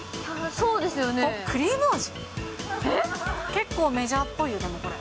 結構、メジャーっぽいよ、これ。